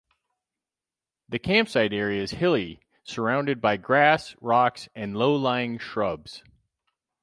The campsite area is hilly surround by grass, rocks and low lying shrubs.